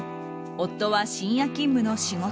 夫は深夜勤務の仕事。